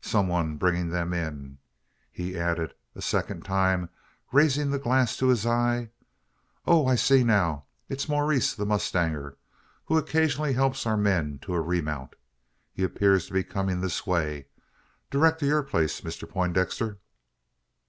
"Some one bringing them in," he added, a second time raising the glass to his eye. "Oh! I see now it's Maurice the mustanger, who occasionally helps our men to a remount. He appears to be coming this way direct to your place, Mr Poindexter."